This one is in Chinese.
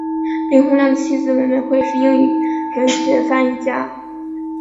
林洪亮的妻子文美惠是英语文学翻译家。